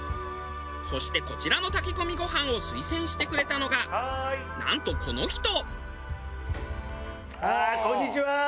そしてこちらの炊き込みご飯を推薦してくれたのがなんとこの人！